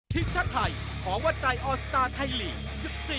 ทิชชะไทยของวัตจัยออสตาร์ไทยหลี